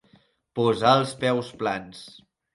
Posar els peus plans.